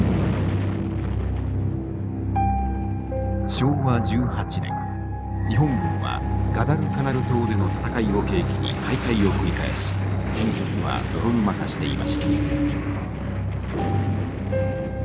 昭和１８年日本軍はガダルカナル島での戦いを契機に敗退を繰り返し戦局は泥沼化していました。